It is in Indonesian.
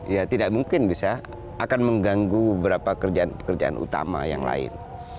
ya tidak mungkin bisa akan mengganggu beberapa pekerjaan utama yang lain